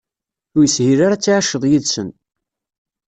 Ur yeshil ara ad tεiceḍ yid-sen.